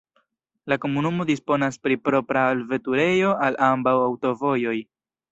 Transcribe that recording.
La komunumo disponas pri propra alveturejo al ambaŭ aŭtovojoj.